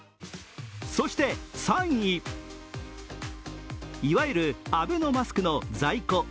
そして３位、いわゆるアベノマスクの在庫